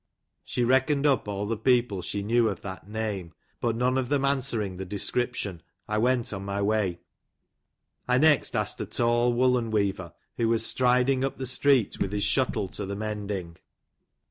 She reckoned up all the peo ple she knew of that name, but none of them answering the description, I went on my way. I next asked a tall woollen weaver, who was striding up the street with his shuttle to the mending.